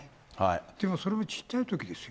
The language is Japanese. でもそれもちっちゃいときですよ。